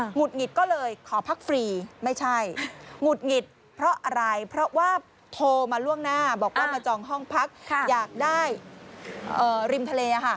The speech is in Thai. ุดหงิดก็เลยขอพักฟรีไม่ใช่หงุดหงิดเพราะอะไรเพราะว่าโทรมาล่วงหน้าบอกว่ามาจองห้องพักอยากได้ริมทะเล